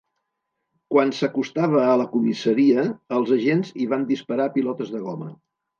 Quan s’acostava a la comissaria, els agents hi van disparar pilotes de goma.